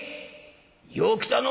よう来たのう。